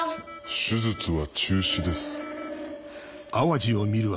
手術は中止です。